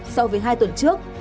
so với hai tuần trước